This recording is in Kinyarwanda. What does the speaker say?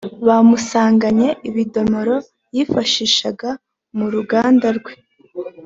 banamusanganye ibidomoro yifashishaga mu ruganda rwe